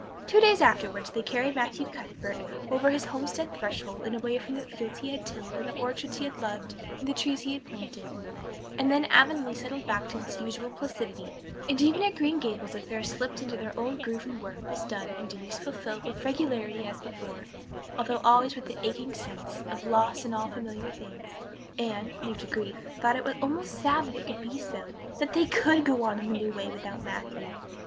Two days afterwards they carried Matthew Cuthbert over his homestead threshold and away from the fields he had tilled and the orchards he had loved and the trees he had planted; and then Avonlea settled back to its usual placidity and even at Green Gables affairs slipped into their old groove and work was done and duties fulfilled with regularity as before, although always with the aching sense of "loss in all familiar things." Anne, new to grief, thought it almost sad that it could be so that they could go on in the old way without Matthew.